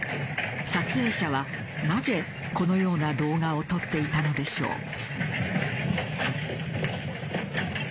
撮影者は、なぜこのような動画を撮っていたのでしょう。